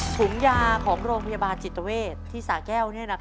ถุงยาของโรงพยาบาลจิตเวทที่สาแก้ว